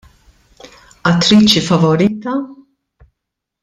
Attriċi favorita?